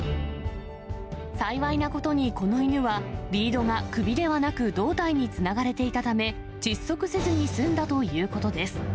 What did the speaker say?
幸いなことにこの犬は、リードが首ではなく胴体につながれていたため、窒息せずに済んだということです。